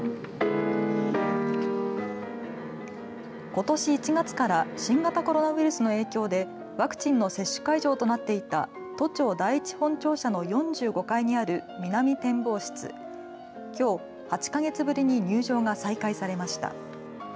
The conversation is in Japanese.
ことし１月から新型コロナウイルスの影響でワクチンの接種会場となっていた都庁第一本庁舎の４５階にある南展望室きょう８か月ぶりに入場が再開されました。